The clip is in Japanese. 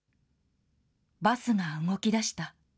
バスが動きだした。